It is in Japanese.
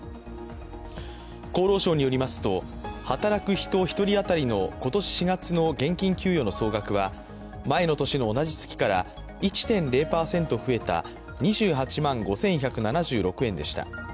厚労省によりますと、働く人１人当たりの今年４月の現金給与の総額は前の年の同じ月から１．０％増えた２８万５１７６円でした。